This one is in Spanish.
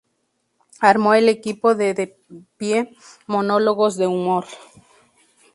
Armó el equipo de "De pie: monólogos de humor".